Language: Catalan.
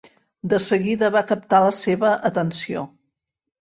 De seguida va captar la seva atenció.